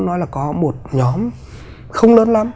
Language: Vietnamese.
nói là có một nhóm không lớn lắm